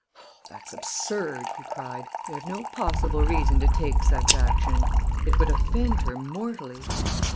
"Oh, that's absurd!" he cried. "We have no possible reason to take such action. It would offend her mortally."